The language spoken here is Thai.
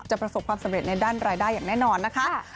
ประสบความสำเร็จในด้านรายได้อย่างแน่นอนนะคะ